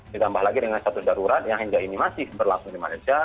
ditambah lagi dengan satu darurat yang hingga ini masih berlangsung di malaysia